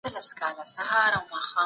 کورنۍ به تل ملاتړ کوي.